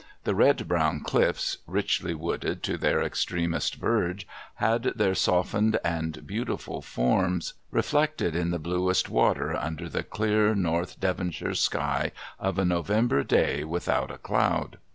The red brown cliffs, richly wooded to their extremest verge, had their softened and beautiful forms reflected in the bluest water, under the clear North Devonshire sky of a November day without a cloud.